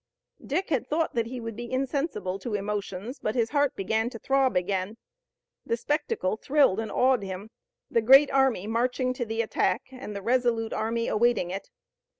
Dick had thought that he would be insensible to emotions, but his heart began to throb again. The spectacle thrilled and awed him the great army marching to the attack and the resolute army awaiting it.